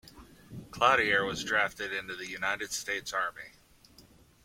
Cloutier was drafted into the United States Army.